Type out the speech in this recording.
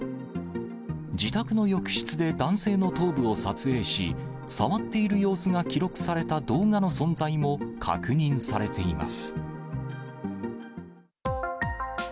自宅の浴室で男性の頭部を撮影し、触っている様子が記録された動画の存在も確認されています。